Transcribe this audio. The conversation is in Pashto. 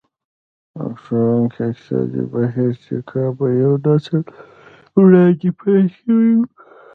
راښکوونکي اقتصادي بهير چې کابو يو نسل وړاندې پيل شوی و.